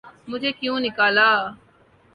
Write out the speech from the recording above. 'مجھے کیوں نکالا؟